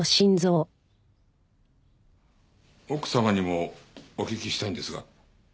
奥様にもお聞きしたいんですが。